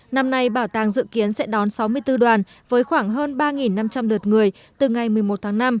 năm nay bảo tàng dự kiến sẽ đón sáu mươi bốn đoàn với khoảng hơn ba năm trăm linh lượt người từ ngày một mươi một tháng năm